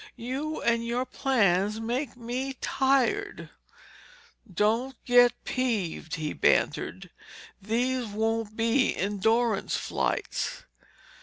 You and your plans make me tired." "Don't get peeved," he bantered. "These won't be endurance flights."